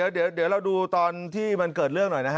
เดี๋ยวเราดูตอนที่มันเกิดเรื่องหน่อยนะฮะ